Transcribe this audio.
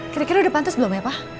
kira kira udah pantes belum ya pa